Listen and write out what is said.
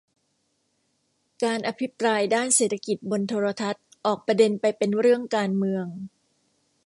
การอภิปรายด้านเศรษฐกิจบนโทรทัศน์ออกประเด็นไปเป็นเรื่องการเมือง